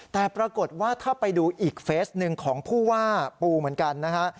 แต่ปรากฏว่าถ้าไปดูอีกเฟสหนึ่งของผู้ว่าปูเหมือนกันนะฮะ